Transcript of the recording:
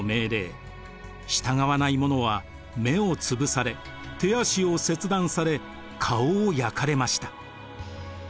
従わない者は目を潰され手足を切断され顔を焼かれました。